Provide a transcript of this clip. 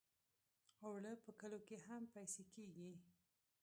اوړه په کلو کې هم پېسې کېږي